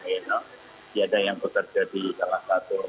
tidak ada yang bisa jadi salah satu